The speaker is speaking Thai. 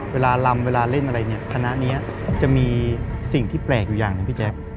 เวลาลำเวลาเล่นอะไรเนี่ยคณะนี้จะมีสิ่งที่แปลกอยู่อย่างหนึ่งพี่แจ๊ค